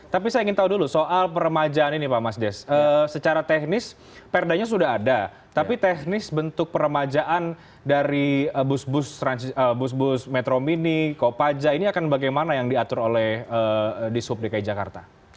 tapi saya ingin tahu dulu soal peremajaan ini pak mas des secara teknis perdanya sudah ada tapi teknis bentuk peremajaan dari bus bus bus metro mini kopaja ini akan bagaimana yang diatur oleh di sub dki jakarta